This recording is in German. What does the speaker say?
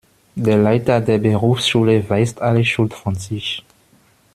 Der Leiter der Berufsschule weist alle Schuld von sich.